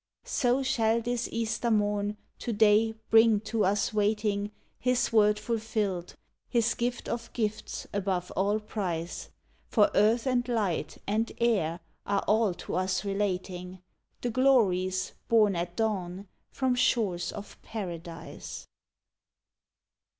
So shall this Easter morn, to day, bring to us waiting, His Word fulfilled, His gift of gifts above all price! For Earth and Light and Air are all to us relating The glories borne at dawn from shores of Paradise!